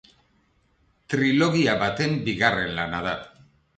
Trilogia baten bigarren lana da.